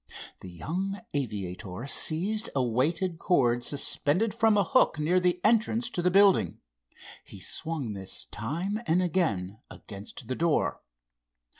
The young aviator seized a weighted cord suspended from a hook near the entrance to the building. He swung this time and again against the door.